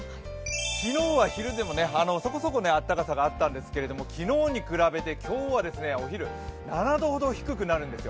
昨日は昼でもそこそこあったかさがあったんですけど昨日に比べて今日はお昼、７度ほど低くなるんですよ。